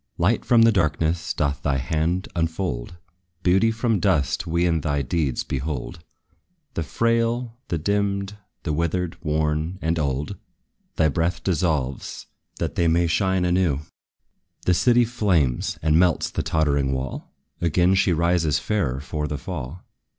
Light from the darkness doth thy hand unfold: Beauty from dust we in thy deeds behold: The frail, the dimmed, the withered, worn and old Thy breath dissolves, that they may shine anew. The city flames, and melts the tottering wall; Again she rises fairer for the fall.